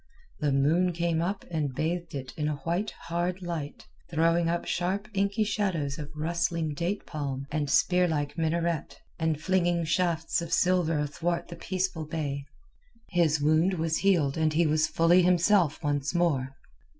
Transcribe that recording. The moon came up and bathed it in a white hard light, throwing sharp inky shadows of rustling date palm and spearlike minaret, and flinging shafts of silver athwart the peaceful bay. His wound was healed and he was fully himself once more.